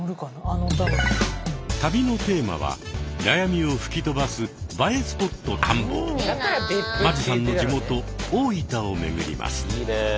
旅のテーマは悩みを吹き飛ばす間地さんの地元大分を巡ります。